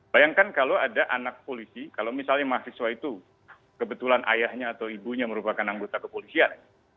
bayangkan kalau ada anak polisi kalau misalnya mahasiswa itu kebetulan ayahnya atau ibunya merupakan anggota kepolisian